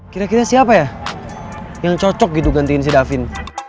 kira kira siapa ya yang cocok gitu gantiin si davin